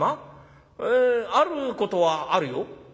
えあることはあるよ」。